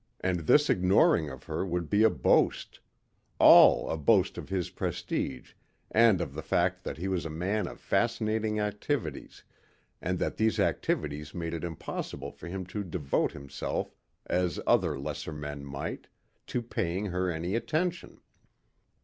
And this ignoring of her would be a boast all a boast of his prestige and of the fact that he was a man of fascinating activities and that these activities made it impossible for him to devote himself as other lesser men might, to paying her any attention.